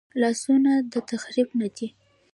لاسونه د تخریب نه دي